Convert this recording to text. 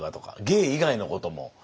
芸以外のことも。